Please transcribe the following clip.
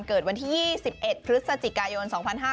เกิดวันที่๒๑พฤศจิกายน๒๕๕๙